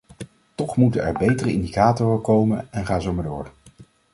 Toch moeten er betere indicatoren komen en ga zo maar door.